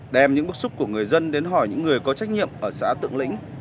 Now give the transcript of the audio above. đem những bức xúc của người dân đến hỏi những người có trách nhiệm ở xã tượng lĩnh